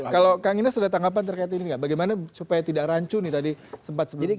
kalau kang ines ada tanggapan terkait ini nggak bagaimana supaya tidak rancu nih tadi sempat sebutkan